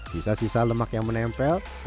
sisa sisa lemak yang menempel